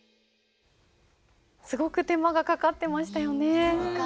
すごく手間がかかってましたよね。